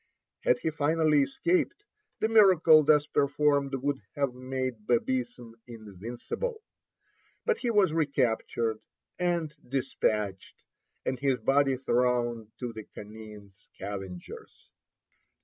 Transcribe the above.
Had he finally escaped, the miracle thus performed would have made Babism invincible. But he was recaptured and despatched, and his body thrown to the canine scavengers.